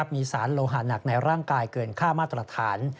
มีสารโลหะหนักในร่างกายเกินค่ามาตรฐาน